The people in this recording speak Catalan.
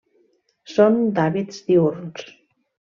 Són d'hàbits diürns.